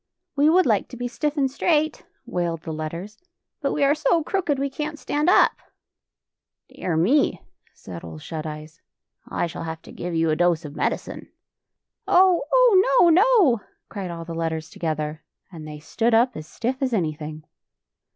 "We would like to be stiff and straight," wailed the letters, " but we are so crooked we can't stand up." " Dear me !" said Ole Shut Eyes, " I shall have to give you a dose of medicine." "Oh, oh; no, no!" cried all the letters together, and they stood up as stiff as any thing.